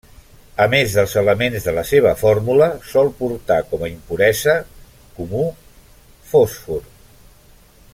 A més dels elements de la seva fórmula, sol portar com a impuresa comú fòsfor.